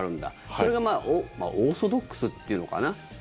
それがオーソドックスというのかな。